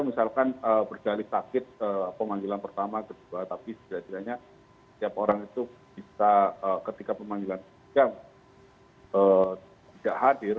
misalkan berdalih sakit pemanggilan pertama kedua tapi sejatinya setiap orang itu bisa ketika pemanggilan tidak hadir